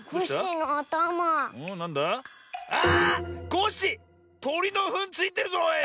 コッシーとりのふんついてるぞおい！